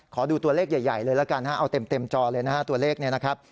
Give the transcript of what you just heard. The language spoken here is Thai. ขอดูตัวเลขใหญ่เลยแล้วกันเอาเต็มจอเลยตัวเลขนี้